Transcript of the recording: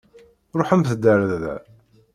Ṛuḥemt-d ar da.